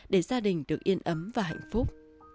để gia đình được yên ấm và hạnh phúc